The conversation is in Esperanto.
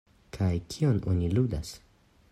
Kaj kion oni ludas?